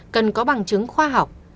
cần có bằng chứng khoa học